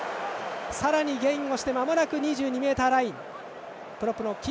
さらにゲインしてまもなく２２ｍライン。